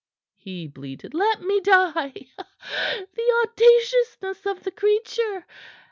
he bleated. "Let me die! The audaciousness of the creature!